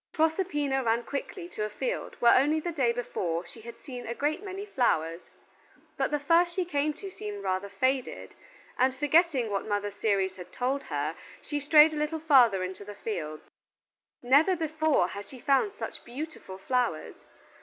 Proserpina ran quickly to a field where only the day before she had seen a great many flowers; but the first she came to seemed rather faded, and forgetting what Mother Ceres had told her, she strayed a little farther into the fields. Never before had she found such beautiful flowers!